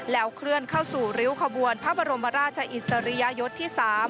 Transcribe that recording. เคลื่อนเข้าสู่ริ้วขบวนพระบรมราชอิสริยยศที่๓